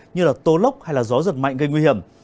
như là tố lốc hay là gió giật mạnh gây nguy hiểm